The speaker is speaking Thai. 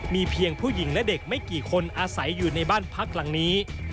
มีเพียงผู้หญิงและเด็กไม่กี่คนอาศัยอยู่ในบ้านพักหลังนี้